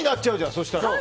そうしたら。